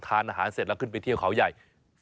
ทานอาหารเสร็จแล้วขึ้นไปเที่ยวเขาใหญ่